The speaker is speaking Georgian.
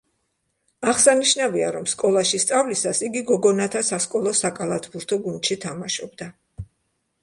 აღსანიშნავია, რომ სკოლაში სწავლისას იგი გოგონათა სასკოლო საკალათბურთო გუნდში თამაშობდა.